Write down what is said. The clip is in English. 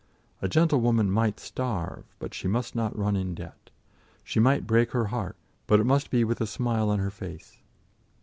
A gentlewoman might starve, but she must not run in debt; she might break her heart, but it must be with a smile on her face.